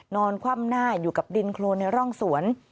คว่ำหน้าอยู่กับดินโครนในร่องสวน